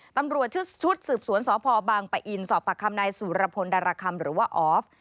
ตำรวจชุดสืบสวนสพบางปะอินสอบปากคำนายสุรพลดารคำหรือว่าออฟ